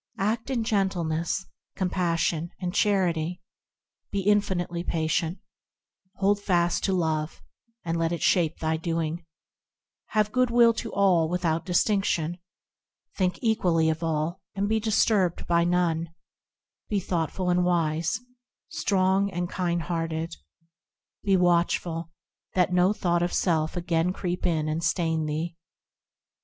Act in gentleness, compassion, and charity; Be infinitely patient: Hold fast to Love, and let it shape thy doing : Have goodwill to all, without distinction : Think equally of all, and be disturbed by none; Be thoughtful and wise, strong and kind hearted. Be watchful, that no thought of self again creep in and stain thee.